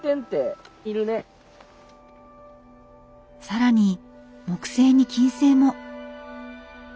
更に木星に金星も！